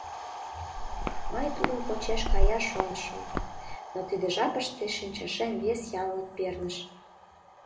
Мый тудын почеш каяш шонышым, но тиде жапыште шинчашем вес янлык перныш.